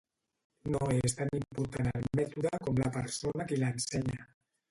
No és tan important el mètode com la persona qui l’ensenya.